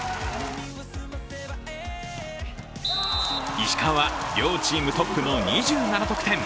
石川は両チームトップの２７得点。